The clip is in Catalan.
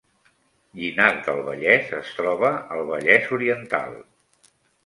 Llinars del Vallès es troba al Vallès Oriental